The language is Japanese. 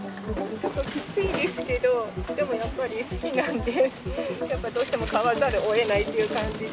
ちょっときついですけど、でもやっぱり好きなんで、やっぱどうしても買わざるをえないという感じで。